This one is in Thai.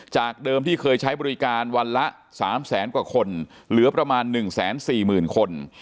จากเดิมที่เคยใช้บริการวันละ๓แสนกว่าคนเหลือประมาณ๑๔๐๐๐คน